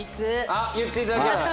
あっ言っていただけない。